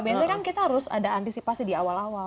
sebenarnya kan kita harus ada antisipasi di awal awal